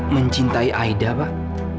mencintai aida pak